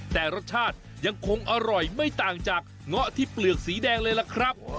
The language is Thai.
แต่รสชาติยังคงอร่อยไม่ต่างจากเงาะที่เปลือกสีแดงเลยล่ะครับ